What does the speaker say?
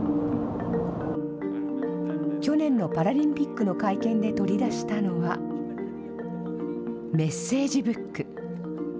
去年のパラリンピックの会見で取り出したのは、メッセージブック。